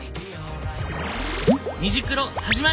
「虹クロ」始まるよ。